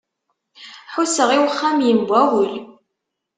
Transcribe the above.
Ḥusseɣ i uxxam yembawel.